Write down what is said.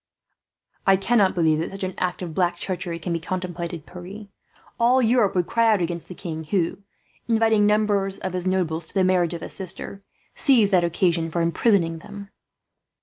"I cannot believe that such an act of black treachery can be contemplated, Pierre. All Europe would cry out against the king who, inviting numbers of his nobles to the marriage of his sister, seized that occasion for imprisoning them."